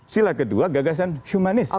sila kedua gagasan schumanis